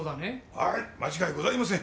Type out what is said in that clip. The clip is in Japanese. はい間違いございません。